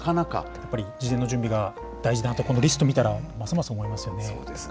やっぱり事前の準備が大事だなと、このリスト見たら、ますまそうですか。